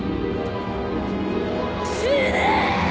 死ね！